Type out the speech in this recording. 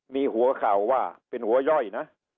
มีหัวข่าวว่าเป็นหัวย่อยนะ